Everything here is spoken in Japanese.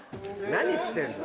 何してんの？